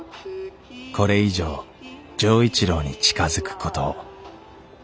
これ以上錠一郎に近づくことを。